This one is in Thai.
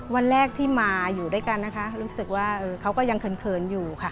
วันแรกที่มาอยู่ด้วยกันนะคะรู้สึกว่าเขาก็ยังเขินอยู่ค่ะ